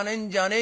え？